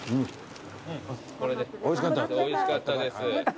おいしかったです。